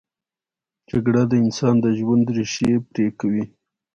جګړه د انسان د ژوند ریښې پرې کوي